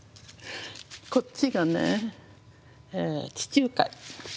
こっちがね地中海。